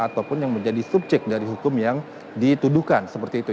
ataupun yang menjadi subjek dari hukum yang dituduhkan seperti itu